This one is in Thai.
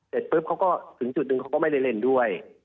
เสร็จปุ๊บเขาก็ถึงจุดหนึ่งเขาก็ไม่ได้เล่นด้วย